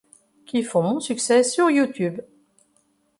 qui font mon succès sur YouTube.